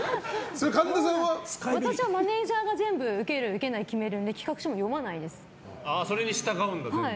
私はマネジャーが受ける、受けないを決めるので企画書を読まないです。